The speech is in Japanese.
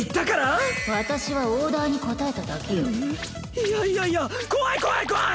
いやいやいや怖い怖い怖い！